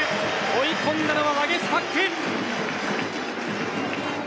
追い込んだのはワゲスパック。